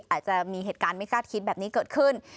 อาจจะมีเหตุการณ์ไม่คาดคิดแบบนี้เกิดขึ้น